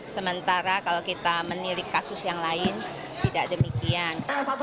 sementara kalau kita menirik kasus yang lain tidak demikian